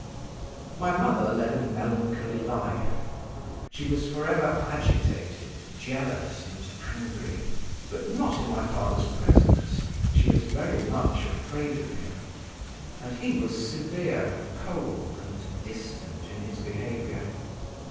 My mother led a melancholy life; she was for ever agitated, jealous and angry, but not in my father's presence; she was very much afraid of him, and he was severe, cold, and distant in his behaviour….